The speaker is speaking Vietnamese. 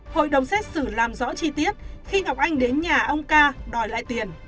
hội đồng xét xử làm rõ chi tiết khi ngọc anh đến nhà ông ca đòi lại tiền